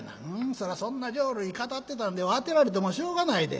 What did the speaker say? そらそんな浄瑠璃語ってたんでは当てられてもしょうがないで。